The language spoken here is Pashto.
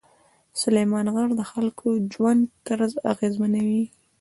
سلیمان غر د خلکو ژوند طرز اغېزمنوي.